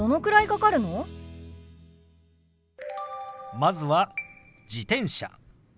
まずは「自転車」。